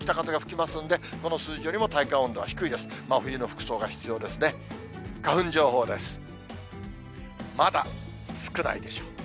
まだ少ないでしょう。